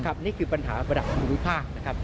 นี่คือปัญหาระดับภูมิภาคนะครับ